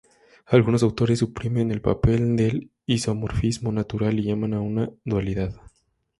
Algunos autores suprimen el papel del isomorfismo natural y llaman a una dualidad.